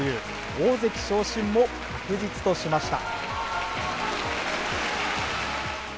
大関昇進も確実としました。